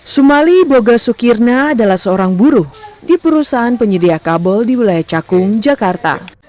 sumali boga sukirna adalah seorang buruh di perusahaan penyedia kabel di wilayah cakung jakarta